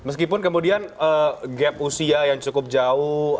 meskipun kemudian gap usia yang cukup jauh